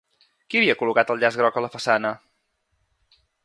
Qui havia col·locat el llaç groc a la façana?